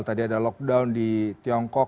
tadi ada lockdown di tiongkok